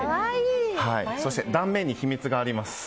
そして断面に秘密があります。